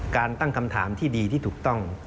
ตั้งคำถามที่ดีที่ถูกต้อง